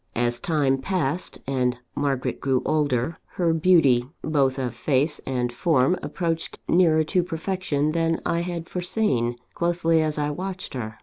"As time passed, and Margaret grew older, her beauty both of face and form approached nearer to perfection than I had foreseen, closely as I watched her.